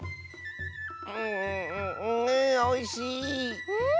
んおいしい！